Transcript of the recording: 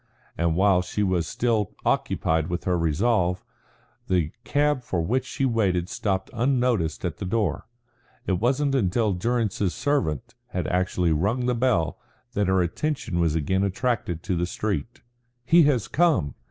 And while she was still occupied with her resolve, the cab for which she waited stopped unnoticed at the door. It was not until Durrance's servant had actually rung the bell that her attention was again attracted to the street. "He has come!"